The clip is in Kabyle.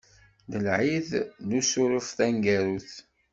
D Lɛid n Usuref taneggarut.